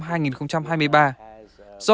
và sẽ đạt được